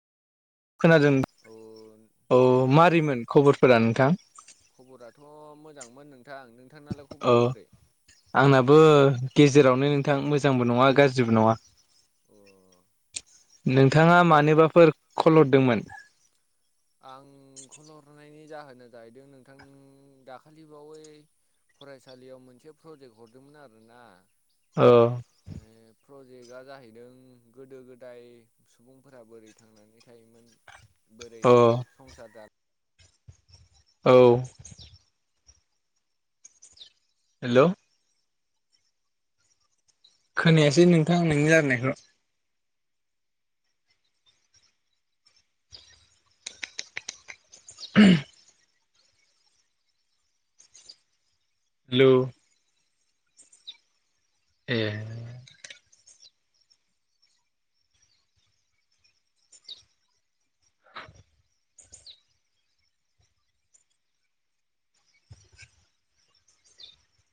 खोनादों। औ औ नोंथाङा मारैमोन खबरफोरा नोंथां? खबराथ' मोजांमोन नोंथां, नोंथांनालाय औ खबरा बोरै? आंनाबो गेजेरावनो नोंथां मोजांबो नङा गाज्रिबो नङा। अ नोंथाङा जाखो मानोबाफोर कल हरदोंमोन? आं कल हरनायनि जाहोना जाहैदों नोंथां दाखालि बावै फरायसालियाव मोनसे प्रजेक्ट हरदोंमोन आरोना अह। ओ प्रजेक्टआ जाहैदों गोदो गोदाय सुबुंफोरा बोरै थांनानै थायोमोन बोरै अ। [unintelligible] औ। हेल'? खोनायासै नोंथां नोंनि रायलायनायखो। [unintelligible] हेल' एह